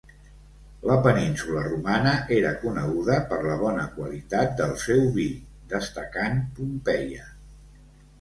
La península romana era coneguda per la bona qualitat del seu vi, destacant Pompeia.